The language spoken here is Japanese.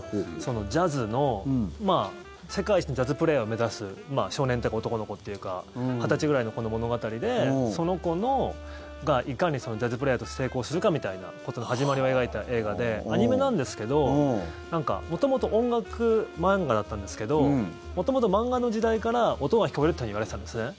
ジャズの、世界一のジャズプレーヤーを目指す少年というか男の子というか２０歳ぐらいの子の物語でその子がいかにジャズプレーヤーとして成功するかみたいなことの始まりを描いた映画でアニメなんですけど元々、音楽漫画だったんですけど元々、漫画の時代から音が聞こえるっていうふうに言われていたんですね。